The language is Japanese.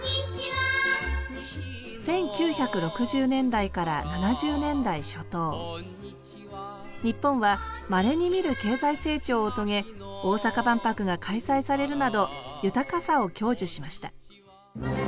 １９６０年代から７０年代初頭日本はまれに見る経済成長を遂げ大阪万博が開催されるなど豊かさを享受しました